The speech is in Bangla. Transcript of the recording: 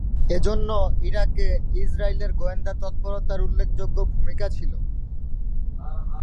এজন্য ইরাকে ইসরাইলের গোয়েন্দা তৎপরতার উল্লেখযোগ্য ভূমিকা ছিল।